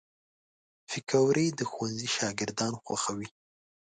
پکورې د ښوونځي شاګردان خوښوي